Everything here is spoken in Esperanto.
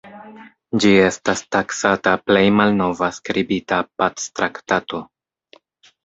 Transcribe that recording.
Ĝi estas taksata plej malnova skribita pactraktato.